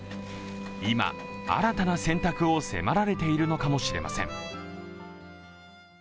今、新たな選択を迫られているのかもしれません。